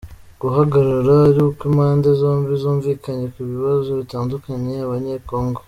guhagarara ari uko impande zombi zumvikanye ku bibazo bitandukanya Abanyekongo.